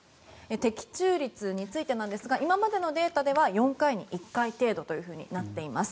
的中率についてなんですが今までのデータでは４回に１回程度となっています。